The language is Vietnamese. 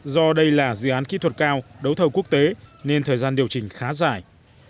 do đây là dự án kỹ thuật cao đấu thầu quốc tế nên thời gian điều chỉnh khá dài